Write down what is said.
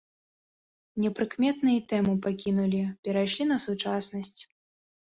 Непрыкметна і тэму пакінулі, перайшлі на сучаснасць.